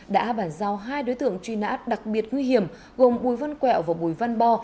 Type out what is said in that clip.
đã bản giao hai đối tượng truy nã đặc biệt nguy hiểm gồm bùi văn quẹo và bùi văn bo